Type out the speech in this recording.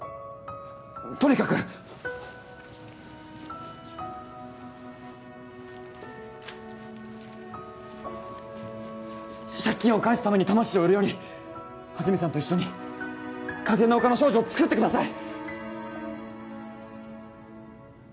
とにかく借金を返すために魂を売るより安住さんと一緒に「風の丘の少女」を作ってください